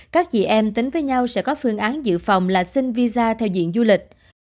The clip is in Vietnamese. các dì em tính với nhau sẽ có phương án giữ phòng là xin visa theo diện du lịch